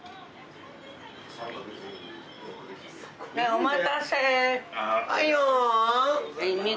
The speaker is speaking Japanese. お待たせ。